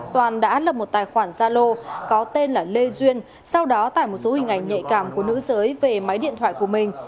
toàn đã lập một tài khoản gia lô có tên là lê duyên sau đó tải một số hình ảnh nhạy cảm của nữ giới về máy điện thoại của mình